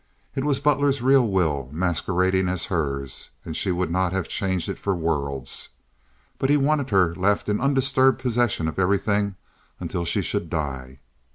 It was Butler's real will masquerading as hers, and she would not have changed it for worlds; but he wanted her left in undisturbed possession of everything until she should die.